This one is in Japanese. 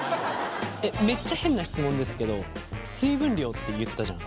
めっちゃ変な質問ですけど水分量って言ったじゃん。